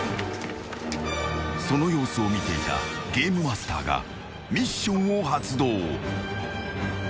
［その様子を見ていたゲームマスターがミッションを発動］